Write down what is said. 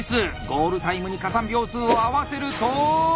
ゴールタイムに加算秒数を合わせると。